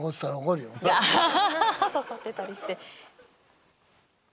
刺さってたりして。